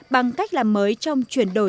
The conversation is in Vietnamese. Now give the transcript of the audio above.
bằng cách làm mới trong chuyển đổi